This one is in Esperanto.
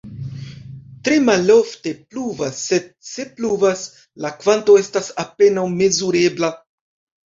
Tre malofte pluvas, sed se pluvas, la kvanto estas apenaŭ mezurebla.